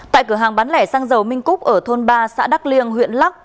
tại cửa hàng bán lẻ xăng dầu minh cúc ở thôn ba xã đắc liêng huyện lắc